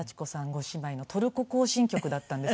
ご姉妹の『トルコ行進曲』だったんです。